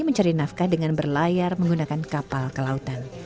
mencari nafkah dengan berlayar menggunakan kapal kelautan